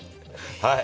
はい。